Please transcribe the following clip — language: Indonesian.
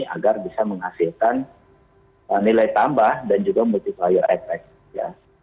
agar bisa menghasilkan nilai tambah dan juga multiplier effect ya